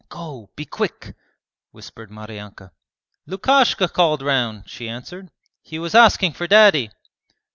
'Go, be quick!' whispered Maryanka. 'Lukashka called round,' she answered; 'he was asking for Daddy.'